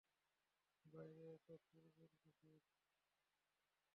বাহিরে এত শোরগোল কিসের?